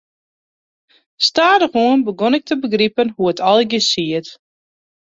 Stadichoan begûn ik te begripen hoe't it allegearre siet.